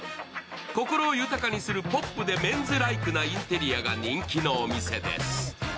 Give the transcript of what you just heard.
心を豊かにするポップでメンズライクなインテリアが人気のお店です。